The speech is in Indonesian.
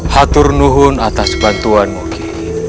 haturnuhun atas bantuanmu ki